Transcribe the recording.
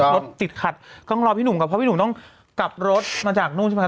รถติดขัดต้องรอพี่หนุ่มก่อนเพราะพี่หนุ่มต้องกลับรถมาจากนู่นใช่ไหม